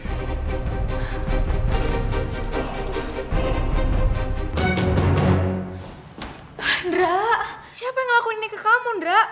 indra siapa yang ngelakuin ini ke kamu indra